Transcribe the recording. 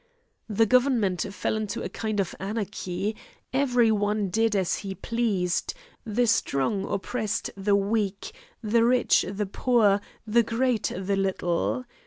The government fell into a kind of anarchy; every one did as he pleased; the strong oppressed the weak, the rich the poor, the great the little.